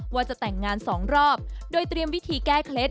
ว่าจะแต่งงานสองรอบโดยเตรียมวิธีแก้เคล็ด